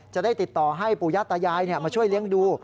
จะได้ติดต่อให้ปู่ย่าตายายมาช่วยเลี้ยงดู